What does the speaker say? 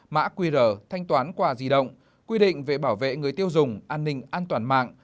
mã qr thanh toán qua di động quy định về bảo vệ người tiêu dùng an ninh an toàn mạng